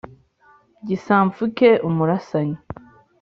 gisampfuke, umurasanyi